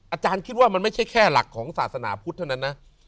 อาจารย์คิดว่ามันไม่ใช่แค่หลักของศาสนาพุทธเท่านั้นนะ